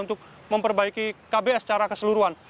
untuk memperbaiki kbs secara keseluruhan